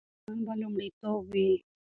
ماشومان به لومړیتوب وي.